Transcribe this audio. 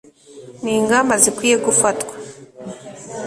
n'ingamba zikwiye gufatwa